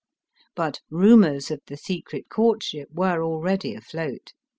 But rumors of the secret courtship were already afloat.